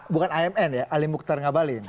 bukan amn ya ali mukhtar ngabalin